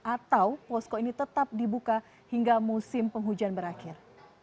atau posko ini tetap dibuka hingga musim penghujan berakhir